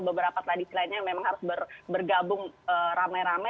beberapa tradisi lainnya yang memang harus bergabung rame rame